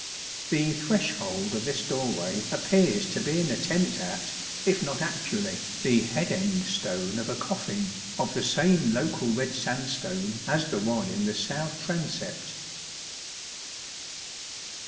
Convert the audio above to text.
The threshold of this doorway appears to be an attempt at, if not actually, the head end stone of a coffin, of the same local red sandstone as the one in the south transept.